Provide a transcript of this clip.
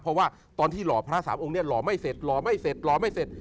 เพราะว่าตอนที่หล่อพระสามองค์เนี่ยหล่อไม่เสร็จหล่อไม่เสร็จหล่อไม่เสร็จ